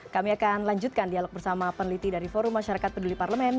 kami akan lanjutkan dialog bersama peneliti dari forum masyarakat peduli parlemen